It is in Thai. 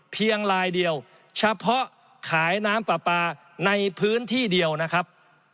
ลายเดียวเฉพาะขายน้ำปลาปลาในพื้นที่เดียวนะครับ